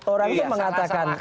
orang itu mengatakan